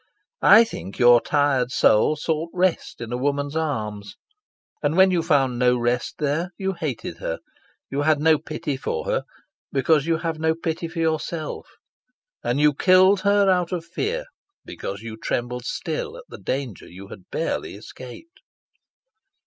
I think your tired soul sought rest in a woman's arms, and when you found no rest there you hated her. You had no pity for her, because you have no pity for yourself. And you killed her out of fear, because you trembled still at the danger you had barely escaped."